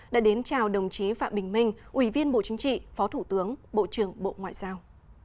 đã đến chào đồng chí phạm bình minh ủy viên bộ chính trị phó thủ tướng bộ trưởng bộ ngoại giao